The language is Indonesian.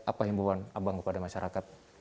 apa himbauan abang kepada masyarakat